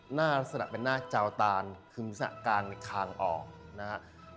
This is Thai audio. หน้ารักษณะเป็นหน้าเจาตานคึมสระกาลในคางออกนะฮะ